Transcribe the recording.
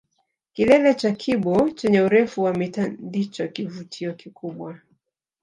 Kilele cha Kibo chenye urefu wa mita ndicho kivutio kikubwa